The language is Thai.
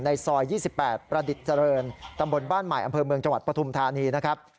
ซอย๒๘ประดิษฐ์เจริญตำบลบ้านใหม่อำเภอเมืองจังหวัดปฐุมธานีนะครับ